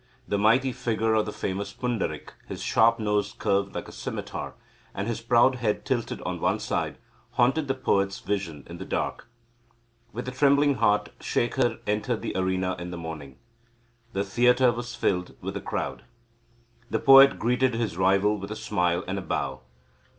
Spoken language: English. The mighty figure of the famous Pundarik, his sharp nose curved like a scimitar, and his proud head tilted on one side, haunted the poet's vision in the dark. With a trembling heart Shekhar entered the arena in the morning. The theatre was filled with the crowd. The poet greeted his rival with a smile and a bow.